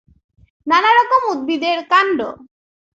নানা রকম উদ্ভিদের কাণ্ড